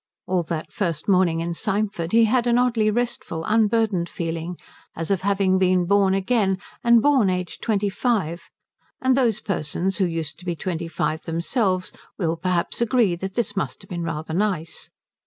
All that first morning in Symford he had an oddly restful, unburdened feeling, as of having been born again and born aged twenty five; and those persons who used to be twenty five themselves will perhaps agree that this must have been rather nice.